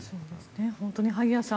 本当に萩谷さん